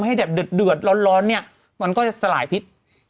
ให้แบบเดือดร้อนเนี่ยมันก็จะสลายพิษ